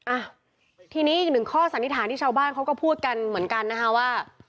อ่ะทีนี้อีกหนึ่งข้อสันนิษฐานที่ชาวบ้านเขาก็พูดกันเหมือนกันนะคะว่า